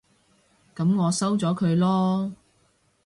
噉我收咗佢囉